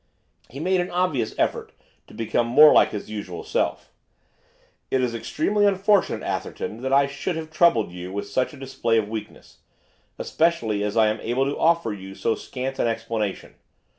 He made an obvious effort to become more like his usual self. 'It is extremely unfortunate, Atherton, that I should have troubled you with such a display of weakness, especially as I am able to offer you so scant an explanation.